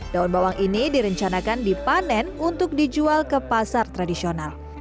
daun bawang ini direncanakan dipanen untuk dijual ke pasar tradisional